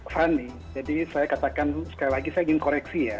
fani jadi saya katakan sekali lagi saya ingin koreksi ya